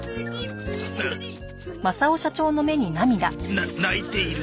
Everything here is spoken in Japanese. な泣いている！？